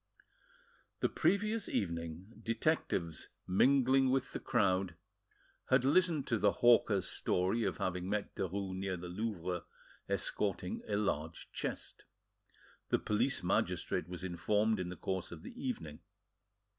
The previous evening, detectives, mingling with the crowd, had listened to the hawker's story of having met Derues near the Louvre escorting a large chest. The police magistrate was informed in the course of the evening.